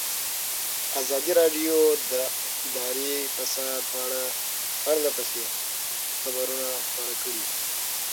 ازادي راډیو د اداري فساد په اړه پرله پسې خبرونه خپاره کړي.